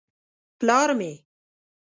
_ پلار مې.